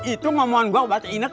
itu omongan gue buat ine